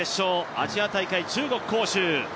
アジア大会中国・杭州。